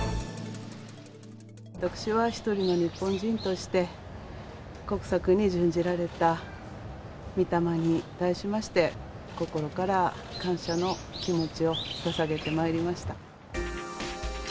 私は一人の日本人として、国策に殉じられた御霊に対しまして、心から感謝の気持ちをささげてまいりました。